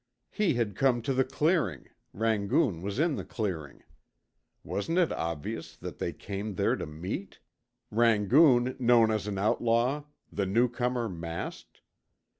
He had come to the clearing Rangoon was in the clearing. Wasn't it obvious that they came there to meet? Rangoon, known as an outlaw the newcomer masked.